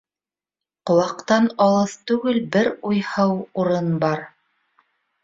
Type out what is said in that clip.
Ҡыуаҡтан алыҫ түгел бер уйһыу урын бар.